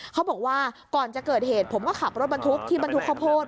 เขาบอกว่าก่อนจะเกิดเหตุผมก็ขับรถบรรทุกที่บรรทุกข้าวโพด